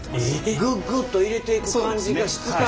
グッグッと入れていく感じが質感が一緒。